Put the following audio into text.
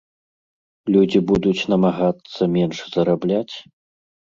Людзі будуць намагацца менш зарабляць?